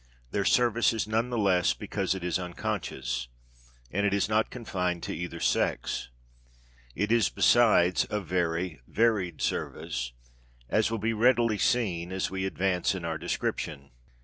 Their service is none the less because it is unconscious; and it is not confined to either sex. It is, besides, a very varied service, as will be readily seen as we advance in our description.